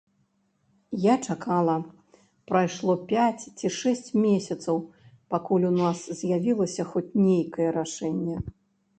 Я чакала, прайшло пяць ці шэсць месяцаў, пакуль у нас з'явілася хоць нейкае рашэнне.